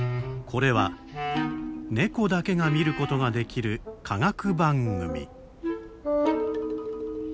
これはネコだけが見ることができる科学番組。